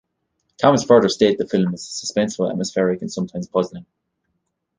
Thomas further state the film is "suspenseful, atmospheric and sometimes puzzling".